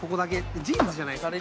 「ジーンズじゃないですね」